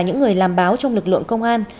những người làm báo trong lực lượng công an